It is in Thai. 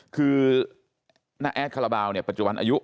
คือแอดข้าลาบราวปัจจุบันอายุ